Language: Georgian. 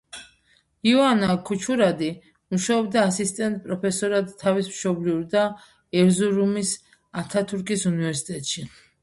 იოანა ქუჩურადი მუშაობდა ასისტენტ პროფესორად თავის მშობლიურ და ერზურუმის ათათურქის უნივერსიტეტში.